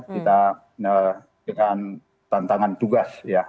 kita dengan tantangan tugas ya